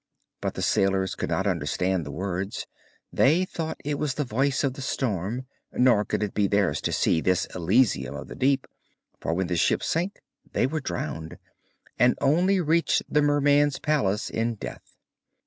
But the sailors could not understand the words, they thought it was the voice of the storm; nor could it be theirs to see this Elysium of the deep, for when the ship sank they were drowned, and only reached the Merman's palace in death.